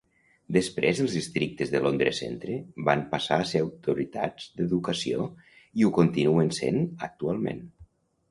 Després els districtes de Londres-Centre van passar a ser autoritats d'educació i ho continuen sent actualment.